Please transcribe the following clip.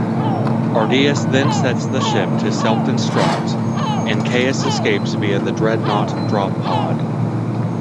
Ardias then sets the ship to self-destruct, and Kais escapes via a Dreadnought drop-pod.